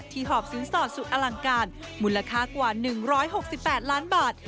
ที่หอบศึกษาสุขอลังการมูลค่ากว่า๑๖๘ล้านบาท